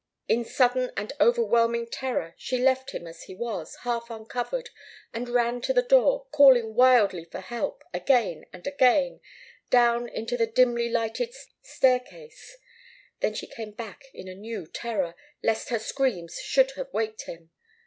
In sudden and overwhelming terror she left him as he was, half uncovered, and ran to the door, calling wildly for help, again and again, down into the dimly lighted staircase. Then she came back in a new terror, lest her screams should have waked him.